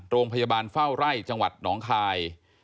โรงพยาบาลเฝ้าไร่จังหวัดหนองคาย